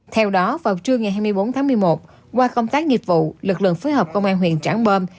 theo đó vào trưa ngày hai mươi bốn tháng một mươi một qua công tác nghiệp vụ lực lượng phối hợp công an huyện trảng bom